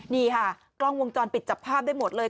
นี่ค่ะกล้องวงจรปิดจับภาพได้หมดเลย